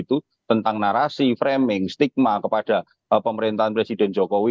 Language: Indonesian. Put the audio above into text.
tentang narasi framing stigma kepada pemerintahan presiden jokowi